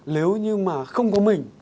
nếu như mà không có mình